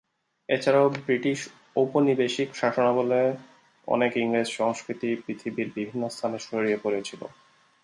এছাড়াও ব্রিটিশ ঔপনিবেশিক শাসনামলে অনেক ইংরেজ সংস্কৃতি পৃথিবীর বিভিন্ন স্থানে ছড়িয়ে পড়েছিল।